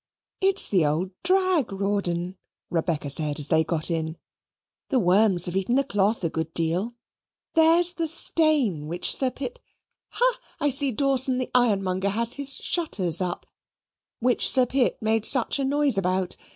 "It's the old drag, Rawdon," Rebecca said as they got in. "The worms have eaten the cloth a good deal there's the stain which Sir Pitt ha! I see Dawson the Ironmonger has his shutters up which Sir Pitt made such a noise about.